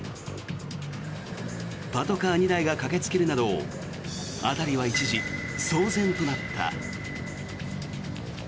パトカー２台が駆けつけるなど辺りは一時、騒然となった。